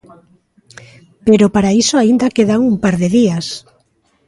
Pero para iso aínda quedan un par de días.